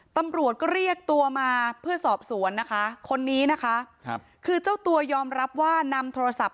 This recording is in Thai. ตำรวจก็เรียกตัวมาเพื่อสอบสวนนะคะคนนี้นะคะครับคือเจ้าตัวยอมรับว่านำโทรศัพท์